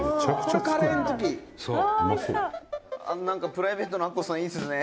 「プライベートなアッコさん、いいですね」